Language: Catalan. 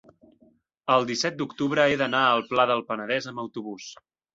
el disset d'octubre he d'anar al Pla del Penedès amb autobús.